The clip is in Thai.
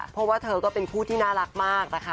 เพราะว่าเธอก็เป็นคู่ที่น่ารักมากนะคะ